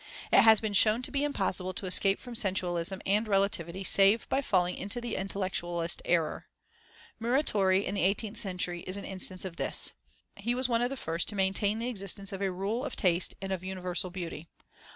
It has been shown to be impossible to escape from sensualism and relativity save by falling into the intellectualist error. Muratori in the eighteenth century is an instance of this. He was one of the first to maintain the existence of a rule of taste and of universal beauty.